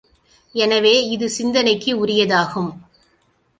எனவே இது சிந்தனைக்கு உரியதாகும்.